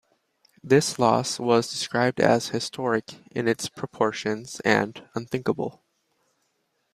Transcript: This loss was described as "historic" in its proportions, and "unthinkable".